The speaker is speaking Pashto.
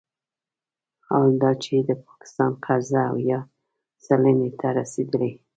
حال دا چې د پاکستان قرضه اویا سلنې ته رسیدلې